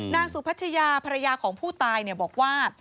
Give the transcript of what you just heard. นางสุพัชยาภรรยาของผู้ตายบอกว่า